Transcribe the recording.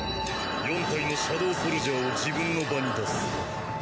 ４体のシャドウソルジャーを自分の場に出す。